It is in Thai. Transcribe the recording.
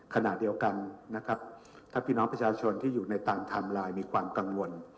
ขณะเดียวกันนะครับถ้าพี่น้องประชาชนที่อยู่ในตามไทม์ไลน์มีความกังวล